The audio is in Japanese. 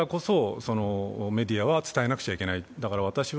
だからこそメディアは伝えなくちゃいけない。